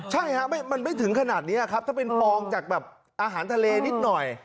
ใช่ครับมันไม่ถึงขนาดนี้ครับถ้าเป็นปองจากแบบอาหารทะเลนิดหน่อย